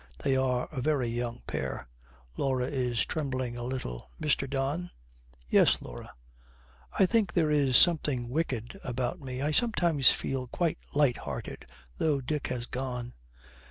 They are a very young pair. Laura is trembling a little. 'Mr. Don ' 'Yes, Laura?' 'I think there is something wicked about me. I sometimes feel quite light hearted though Dick has gone.'